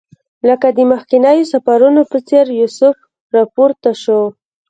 لکه د مخکنیو سفرونو په څېر یوسف راپورته شو.